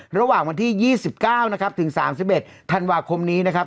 ระหว่างวันที่ยี่สิบเก้านะครับถึงสามสิบเอ็ดธันวาคมนี้นะครับ